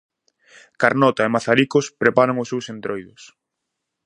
Carnota e Mazaricos preparan os seus Entroidos.